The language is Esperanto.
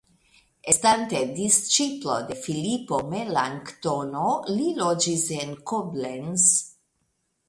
Estante disĉiplo de Filipo Melanktono li loĝis en Koblenz.